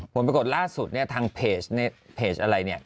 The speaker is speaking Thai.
ผมไปกดล่าสุดเนี่ยทางเพจอะไรเนี่ย